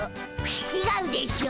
ちがうでしょう。